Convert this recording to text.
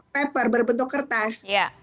paper berbentuk kertas